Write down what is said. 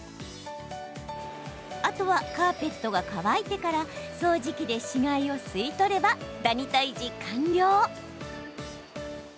あとは、カーペットが乾いてから掃除機で死骸を吸い取ればダニ退治、完了！